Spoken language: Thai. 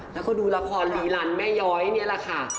แล้วก็ดูละคร๑๑๐แม่ย้อยเนี่ยล่ะค่ะ